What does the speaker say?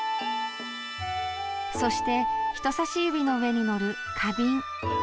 そして、人差し指の上に載る花瓶。